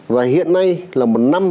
và hiện nay là một năm